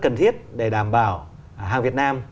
cần thiết để đảm bảo hàng việt nam